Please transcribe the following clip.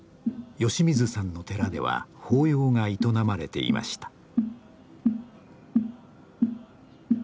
吉水さんの寺では法要が営まれていました。